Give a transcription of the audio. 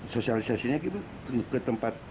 sosialisasinya ke tempat